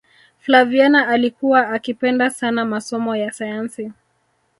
flaviana alikuwa akipenda sana masomo ya sayansi